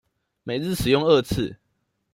每日使用二次